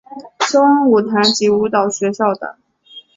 萧恩舞团及舞蹈学校等。